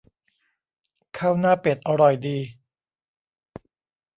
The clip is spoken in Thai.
ข้าวหน้าเป็ดอร่อยดี